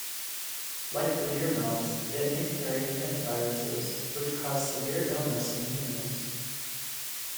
Like the deer mouse, it may carry hantaviruses, which cause severe illness in humans.